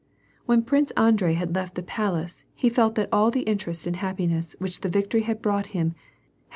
When Prince Andrei had left the palace he felt that iill the interest and happiness which the victory had brought him, hat!